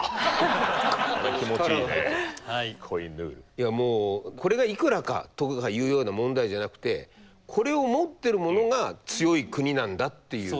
いやもうこれがいくらかとかいうような問題じゃなくてこれを持ってる者が強い国なんだっていう。